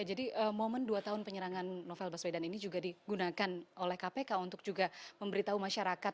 jadi momen dua tahun penyerangan novel baswedan ini juga digunakan oleh kpk untuk juga memberitahu masyarakat